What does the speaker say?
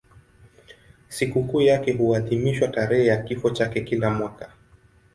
Sikukuu yake huadhimishwa tarehe ya kifo chake kila mwaka.